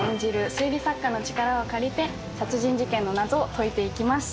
推理作家の力を借りて、殺人事件の謎を解いていきます。